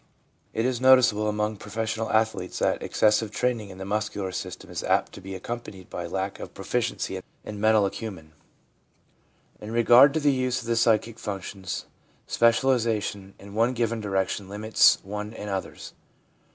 It is noticeable among professional athletes that exces 268 SUBSTITUTES FOR RELIGIOUS FEELING 269 sive training in the muscular system is apt to be accom panied by lack of proficiency in mental acumen. In regard to the use of the psychic functions, specialisation in one given direction limits one in others.